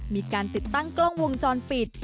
มีการติดตั้งกล้องวงจรปิด